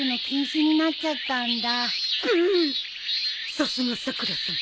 さすがさくらさん